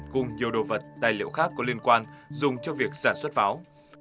cùng nhiều đồ vật tài liệu khác có liên quan dùng cho việc sản xuất pháo